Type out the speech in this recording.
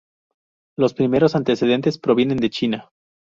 Los primeros antecedentes provienen de China.